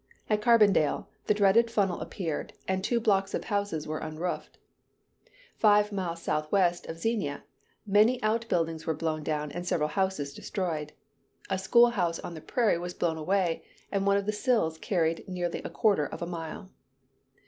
At Carbondale, the dreaded funnel appeared, and two blocks of houses were unroofed. Five miles southwest of Xenia, many out buildings were blown down and several houses destroyed. A school house on the prairie was blown away, and one of the sills carried nearly a quarter of a mile.